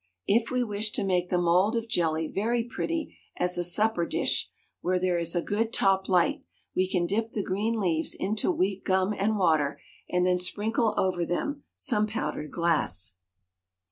If we wish to make the mould of jelly very pretty as a supper dish, where there is a good top light, we can dip the green leaves into weak gum and water and then sprinkle over them some powdered glass.